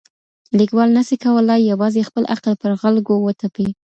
ليکوال نه سي کولای يوازې خپل عقل پر خلګو وتپي.